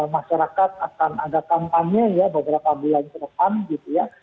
masyarakat akan ada kampanye ya beberapa bulan ke depan gitu ya